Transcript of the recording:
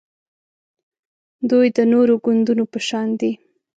دوی د نورو ګوندونو په شان دي